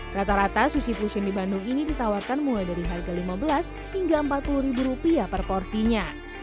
rata rata sushi fusion di bandung ini ditawarkan mulai dari harga lima belas hingga empat puluh ribu rupiah per porsinya